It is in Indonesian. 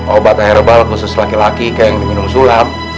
obat herbal khusus laki laki kayak yang diminum sulam